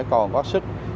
còn có sức